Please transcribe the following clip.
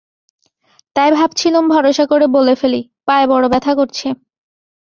তাই ভাবছিলুম ভরসা করে বলে ফেলি, পায়ে বড়ো ব্যথা করছে।